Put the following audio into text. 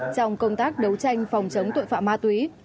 trong công tác đấu tranh phòng chống tội phạm ma túy